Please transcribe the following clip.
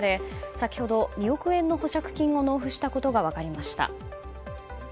先ほど２億円の保釈金を納付したことが分かりました。